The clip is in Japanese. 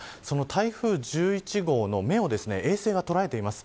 台風１１号の目を衛星が捉えています。